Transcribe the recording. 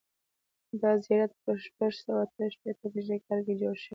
دا زیارت په شپږ سوه اته شپېتم هجري کال کې جوړ شوی.